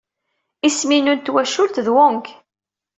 Isem-inu n twacult d Wang.